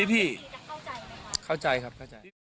พี่เข้าใจครับ